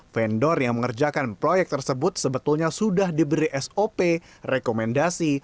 vendor yang mengerjakan proyek tersebut sebetulnya sudah diberi sop rekomendasi